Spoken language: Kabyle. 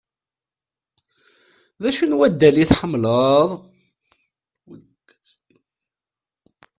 D acu n waddal i tḥemmleḍ?